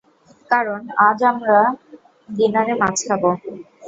কারণ, আজ আমরা ডিনারে মাছ খাব!